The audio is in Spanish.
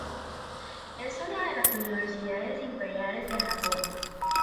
Es una de las universidades imperiales de Japón.